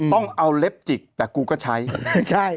ต้องเอาเล็บจิกแต่กูก็ใช้